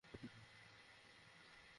আর অপেক্ষা কীসের?